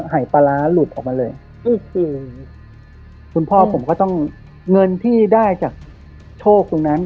หายปลาร้าหลุดออกมาเลยคุณพ่อผมก็ต้องเงินที่ได้จากโชคตรงนั้น